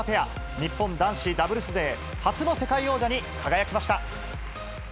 日本男子ダブルス勢、初の世界王者に輝きました。